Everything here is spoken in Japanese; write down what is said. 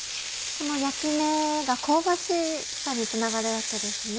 この焼き目が香ばしさにつながるわけですね。